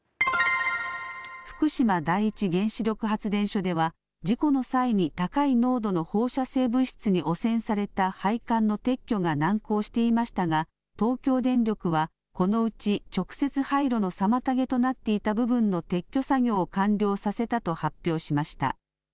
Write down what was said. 福島第一原子力発電所では、事故の際に高い濃度の放射性物質に汚染された配管の撤去が難航していましたが、東京電力は、このうち直接廃炉の妨げとなっていた部分の撤去作業を完了させたと発表しました。